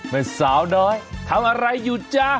เป็นสาวน้อยทำอะไรอยู่จ๊ะ